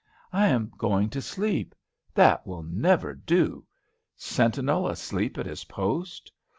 "I am going to sleep, that will never do. Sentinel asleep at his post.